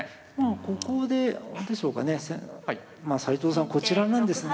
ここであれでしょうかね斎藤さんこちらなんですね。